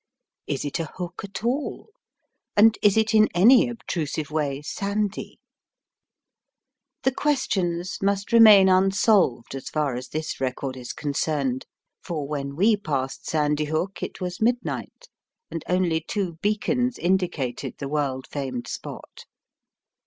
Is it a hook at all, and is it in any obtrusive way sandy ? The questions must remain unsolved as far as this record is concerned, for when we passed Sandy Hook it was midnight, and only two beacons indicated the world famed spot.